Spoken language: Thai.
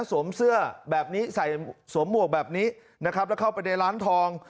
สวมเสื้อแบบนี้ใส่สวมหมวกแบบนี้นะครับแล้วเข้าไปในร้านทอง